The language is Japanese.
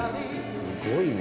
「すごいね」